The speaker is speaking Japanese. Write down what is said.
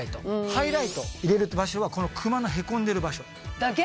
ハイライト入れる場所はこのクマのへこんでる場所。だけ？